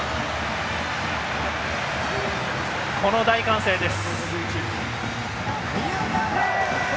この大歓声です。